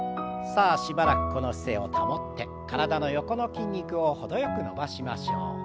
さあしばらくこの姿勢を保って体の横の筋肉を程よく伸ばしましょう。